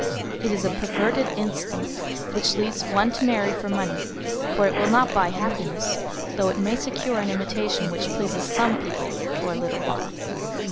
It is a perverted instinct which leads one to marry for money, for it will not buy happiness, though it may secure an imitation which pleases some people for a little while.